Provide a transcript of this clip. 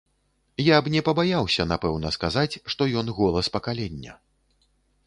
Я б не пабаяўся, напэўна, сказаць, што ён голас пакалення.